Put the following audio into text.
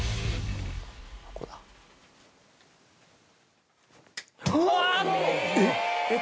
ここだうわーっ！